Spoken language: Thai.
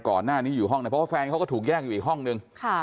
ก่อนหน้านี้อยู่ห้องนั้นเพราะว่าแฟนเขาก็ถูกแยกอยู่อีกห้องนึง